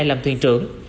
làm thuyền trưởng